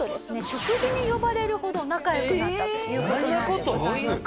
食事に呼ばれるほど仲良くなったという事なんでございます。